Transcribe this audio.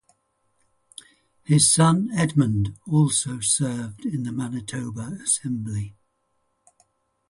His son Edmond also served in the Manitoba assembly.